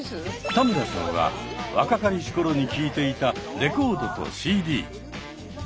田村さんは若かりし頃に聴いていたレコードとＣＤ。